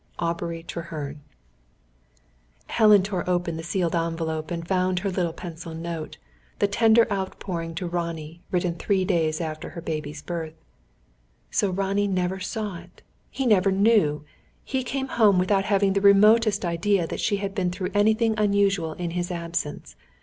"AUBREY TREHERNE." Helen tore open the sealed envelope, and found her little pencil note, the tender outpouring to Ronnie, written three days after her baby's birth. So Ronnie never saw it he never knew! He came home without having the remotest idea that she had been through anything unusual in his absence.